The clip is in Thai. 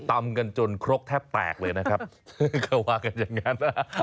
ตำกันจนครกแทบแตกเลยนะครับเขาว่ากันอย่างนั้น